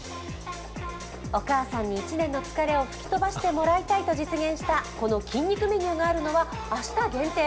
お母さんに１年の疲れを吹き飛ばしてもらいたいと実現したこの筋肉メニューがあるのは、明日限定。